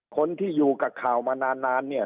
คนที่อยู่กับข่าวมานานเนี่ย